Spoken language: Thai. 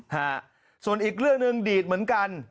ฮะส่วนอีกเรื่องหนึ่งดีดเหมือนกัน